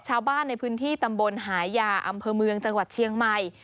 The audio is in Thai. ชาวบ้านในพื้นที่ตำบลหายาอำเภอเมืองจังหวัดเชียงใหม่